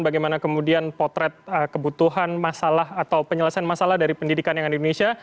bagaimana kemudian potret kebutuhan masalah atau penyelesaian masalah dari pendidikan yang ada di indonesia